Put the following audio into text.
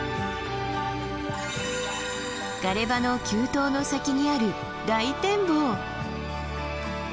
ガレ場の急登の先にある大展望。